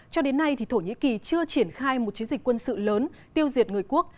cho đến nay thổ nhĩ kỳ chưa triển khai một chiến dịch quân sự lớn tiêu diệt người quốc